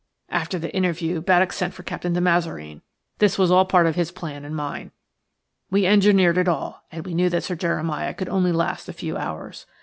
"After the interview Baddock sent for Captain de Mazareen; this was all part of his plan and mine. We engineered it all, and we knew that Sir Jeremiah could only last a few hours.